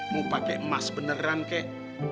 mau pakai emas beneran kek